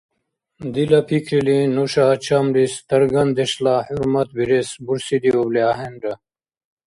Дила пикрили, нуша гьачамлис даргандешла хӀурматбирес бурсидиубли ахӀенра.